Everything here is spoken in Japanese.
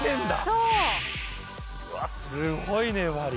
うわすごい粘り。